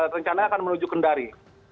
rencana akan menuju kendari